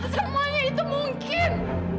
semuanya itu mungkin